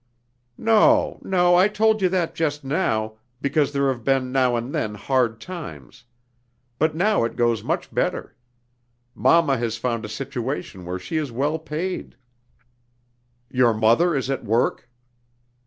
"No, no, I told you that just now, because there have been now and then hard times. But now it goes much better. Mama has found a situation where she is well paid." "Your mother is at work?"